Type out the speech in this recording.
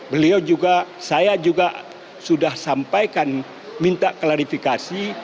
beliau juga saya juga sudah sampaikan minta klarifikasi